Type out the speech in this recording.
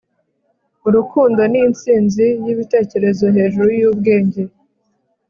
urukundo ni intsinzi y'ibitekerezo hejuru y'ubwenge